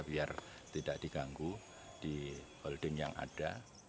biar tidak diganggu di holding yang ada